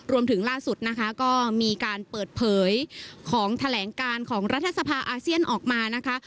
รวมถึงล่าสุดนะคะก็มีการเปิดเผยของแถลงการของรัฐสภาอาเซียนออกมานะคะ